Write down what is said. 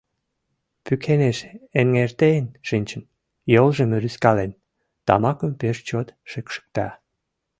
— Пӱкенеш эҥертен шинчын, йолжым рӱзкален, тамакым пеш чот шикшыкта.